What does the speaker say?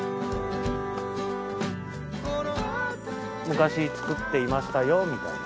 昔作っていましたよみたいな。